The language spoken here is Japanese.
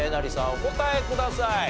お答えください。